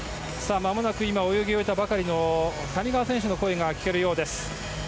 泳ぎ終えたばかりの谷川選手の声が聞けるようです。